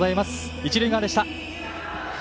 一塁側でした。